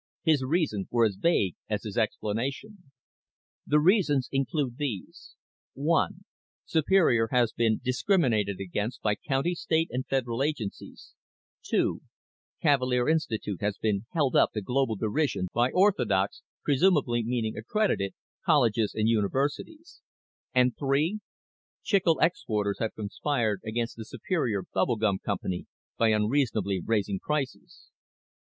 His reasons were as vague as his explanation._ _The "reasons" include these: (1) Superior has been discriminated against by county, state and federal agencies; (2) Cavalier Institute has been held up to global derision by orthodox (presumably meaning accredited) colleges and universities; and (3) chicle exporters have conspired against the Superior Bubble Gum Company by unreasonably raising prices.